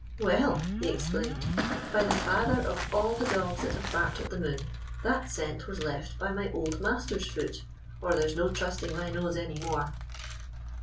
"Well," he exclaimed, "by the father of all the dogs that have barked at the moon, that scent was left by my old master's foot, or there 's no trusting my nose any more